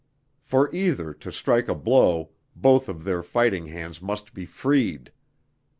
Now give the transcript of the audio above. For either to strike a blow both of their fighting hands must be freed.